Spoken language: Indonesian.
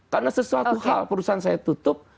karena sesuatu hal perusahaan saya tutup